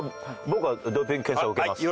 僕はドーピング検査受けます。